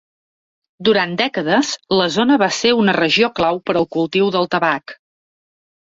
Durant dècades, la zona va ser una regió clau per al cultiu del tabac.